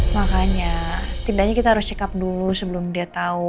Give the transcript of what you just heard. makanya setidaknya kita harus check up dulu sebelum dia tahu